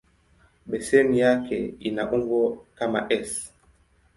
Beseni yake ina umbo kama "S".